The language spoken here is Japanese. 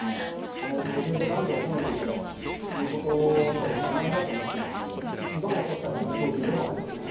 この魚べいブランドを褒めていただくということと同じだと思ってますんで一番落としたくない商品でもあります